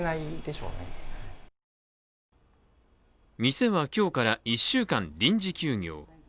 店は今日から１週間、臨時休業。